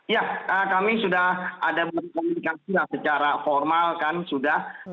ya kami sudah ada berkomunikasi secara formal kan sudah